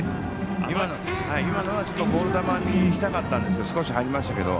今のはボール球にしたかったんですけど少し跳ねましたけど。